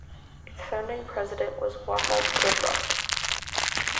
Its founding President was Wahab Goodluck.